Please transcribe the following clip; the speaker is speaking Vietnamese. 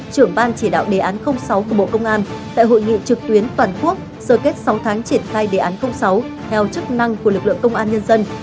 trưởng ban chỉ đạo đề án sáu của bộ công an tại hội nghị trực tuyến toàn quốc sơ kết sáu tháng triển khai đề án sáu theo chức năng của lực lượng công an nhân dân